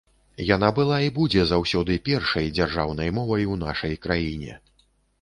Яна была і будзе заўсёды першай дзяржаўнай мовай у нашай краіне.